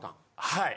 はい。